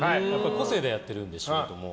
個性でやってるんで、仕事も。